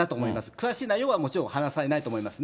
詳しい内容はもちろん、話されないと思いますね。